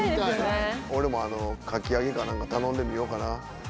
俺もあのかき揚げか何か頼んでみようかな。